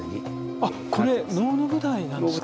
あっこれ能の舞台なんですか。